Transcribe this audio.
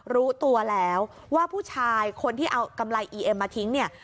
รู้ตัวแล้วว่าผู้ชายคนที่เอากำไรอีเอ็มมาทิ้งเนี่ย